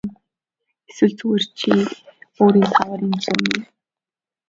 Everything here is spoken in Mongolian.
Эсвэл чи зүгээр өөрийн тааваар энд сууна уу.